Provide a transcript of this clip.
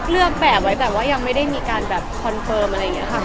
เลือกแบบไว้แบบว่ายังไม่ได้มีการแบบคอนเฟิร์มอะไรอย่างนี้ค่ะ